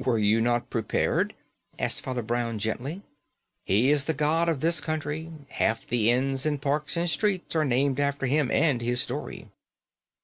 "Were you not prepared?" asked Father Brown gently. "He is the god of this country; half the inns and parks and streets are named after him and his story."